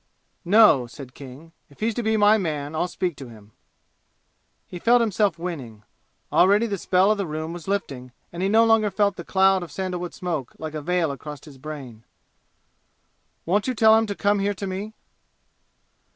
"No," said King. "If he's to be my man I'll speak to him!" He felt himself winning. Already the spell of the room was lifting, and he no longer felt the cloud of sandalwood smoke like a veil across his brain. "Won't you tell him to come here to me?"